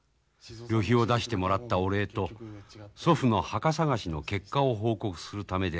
旅費を出してもらったお礼と祖父の墓探しの結果を報告するためであります。